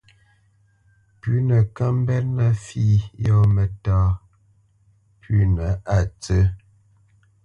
Pʉ̌nə kə́ mbénə̄ fǐ yɔ̂ mətá pʉ́nə a ntsə̂.